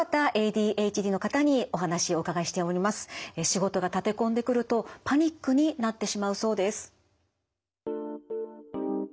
仕事が立て込んでくるとパニックになってしまうそうです。